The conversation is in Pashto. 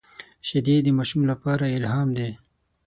شیدې د ماشوم لپاره الهام دي